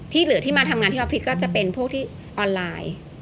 ที่เหลือที่มาทำงานที่ออฟฟิศก็จะเป็นพวกที่ออนไลน์